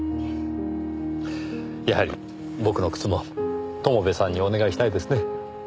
やはり僕の靴も友部さんにお願いしたいですね。